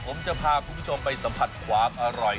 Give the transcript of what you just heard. ผมจะพาคุณผู้ชมไปสัมผัสความอร่อย